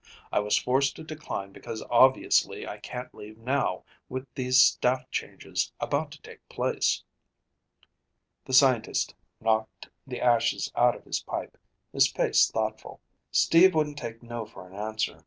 I was forced to decline because obviously I can't leave now with these staff changes about to take place." The scientist knocked the ashes out of his pipe, his face thoughtful. "Steve wouldn't take no for an answer.